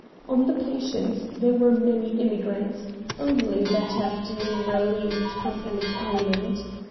On the Patience there were many immigrants, only that afternoon released from Ellis Island.